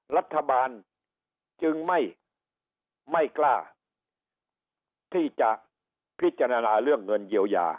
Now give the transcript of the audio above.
รัฐบาลจึงไม่กล้าที่จะพิจารณาเรื่องเงินเยียวยา